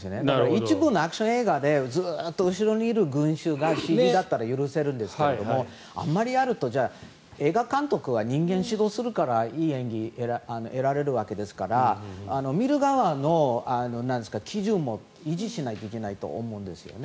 一部のアクション映画でずっと後ろにいる群衆がＣＧだったら許せるんですけどあまりあるんだったら映画監督は人間を指導するからいい演技を得られるわけですから見る側の基準も維持しないといけないと思うんですよね。